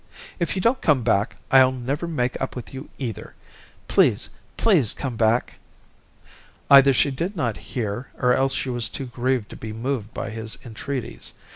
"If you don't come back, I'll never make up with you, either. Please, please, come back." Either she did not hear, or else she was too grieved to be moved by his entreaties.